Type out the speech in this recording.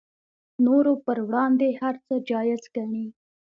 نورو پر وړاندې هر څه جایز ګڼي